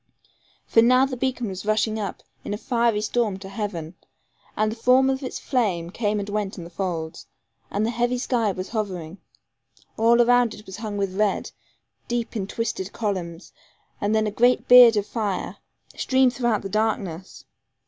For now the beacon was rushing up, in a fiery storm to heaven, and the form of its flame came and went in the folds, and the heavy sky was hovering. All around it was hung with red, deep in twisted columns, and then a giant beard of fire streamed throughout the darkness.